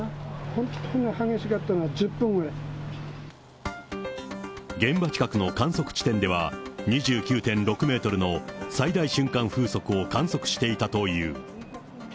本当に激しかったのは１０分ぐら現場近くの観測地点では、２９．６メートルの最大瞬間風速を観測していたという。